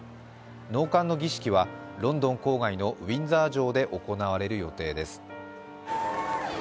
納棺の儀式はロンドン郊外のウィンザー城で行われる予定です。